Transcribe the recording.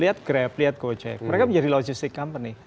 lihat grab lihat gojek mereka menjadi logistic company